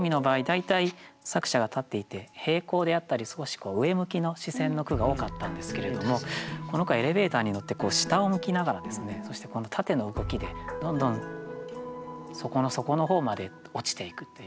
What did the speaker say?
大体作者が立っていて平行であったり少し上向きの視線の句が多かったんですけれどもこの句はエレベーターに乗って下を向きながらそして縦の動きでどんどん底の底の方まで落ちていくというね。